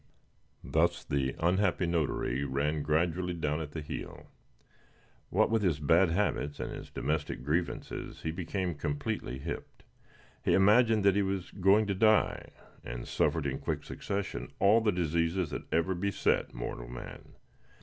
Thus the unhappy notary ran gradually down at the heel. What with his bad habits and his domestic grievances, he became completely hipped. He imagined that he was going to die, and suffered in quick succession all the diseases that ever beset mortal man.